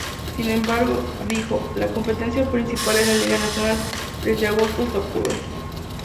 Sin embargo, dijo, la competencia principal es la liga nacional, desde agosto hasta octubre.